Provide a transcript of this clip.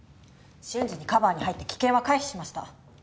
瞬時にカバーに入って危険は回避しました。